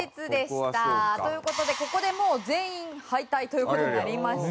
という事でここでもう全員敗退という事になりました。